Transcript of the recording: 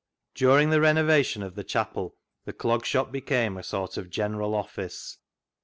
During the renovation of the chapel the Clog Shop became a sort of General Office.